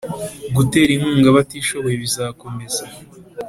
gutera inkunga abatishoboye bizakomeza